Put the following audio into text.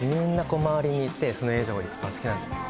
こうまわりにいてその映像が一番好きなんですよ